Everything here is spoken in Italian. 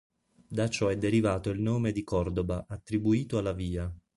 Da ciò è derivato il nome di "Cordoba" attribuito alla via.